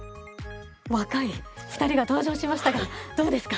若い２人が登場しましたがどうですか。